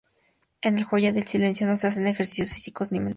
En el yoga del silencio no se hacen ejercicios físicos ni mentales.